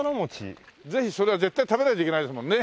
ぜひそれは絶対食べないといけないですもんね。